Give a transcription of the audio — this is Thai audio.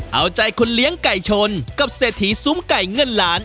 เอาใจคนเลี้ยงไก่ชนกับเศรษฐีซุ้มไก่เงินล้าน